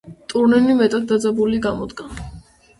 ტურნირი მეტად დაძაბული გამოდგა.